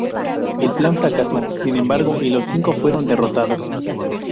El plan fracasó, sin embargo, y los Cinco fueron derrotados.